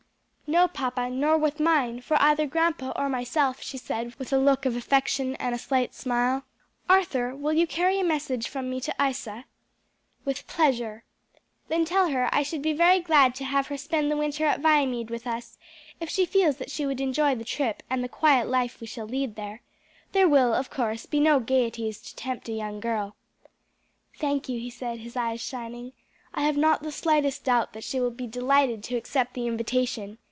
"No, papa, nor with mine, for either grandpa or myself," she said with a look of affection and a slight smile. "Arthur, will you carry a message from me to Isa?" "With pleasure." "Then tell her I should be very glad to have her spend the winter at Viamede with us, if she feels that she would enjoy the trip and the quiet life we shall lead there. There will, of course, be no gayeties to tempt a young girl." "Thank you," he said, his eyes shining; "I have not the slightest doubt that she will be delighted to accept the invitation.